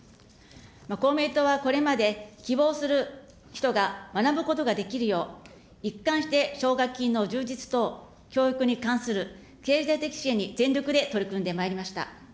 公明党はこれまで、希望する人が学ぶことができるよう、一貫して奨学金の充実等、教育に関する経済的支援に全力で取り組んでまいりました。